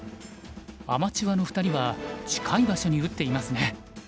アマチュアの２人は近い場所に打っていますね。